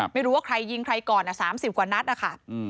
ไม่รู้ว่าใครยิงใครก่อน๓๐กว่านัดนะคะ